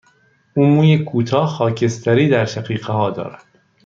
او موی کوتاه، خاکستری در شقیقه ها دارد.